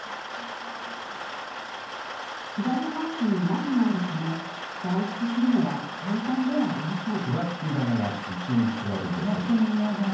左半身にまひがあるため外出するのは簡単ではありません。